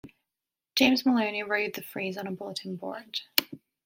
James Maloney, wrote the phrase on a bulletin board.